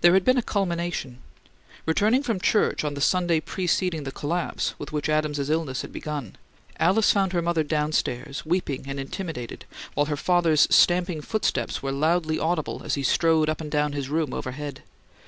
There had been a culmination. Returning from church on the Sunday preceding the collapse with which Adams's illness had begun, Alice found her mother downstairs, weeping and intimidated, while her father's stamping footsteps were loudly audible as he strode up and down his room overhead.